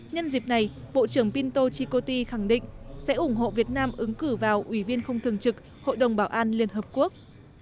nhân dịp này bộ trưởng pinto chikoti khẳng định sẽ ủng hộ việt nam ứng cử vào ủy viên không thường trực hội đồng bảo an liên hợp quốc